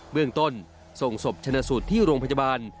เมืองต้นส่งศพชนะสูตรที่โรงพยาบาล